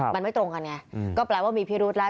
มันไม่ตรงกันไงก็แปลว่ามีพิรุธแล้ว